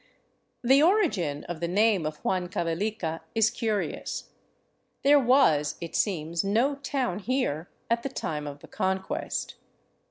The origin of the name of Huancavelica is curious. There was, it seems, no town here at the time of the Conquest.